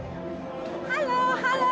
ハローハロー！